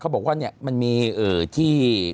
เขาบอกว่ามันมีที่